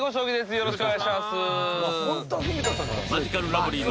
よろしくお願いします。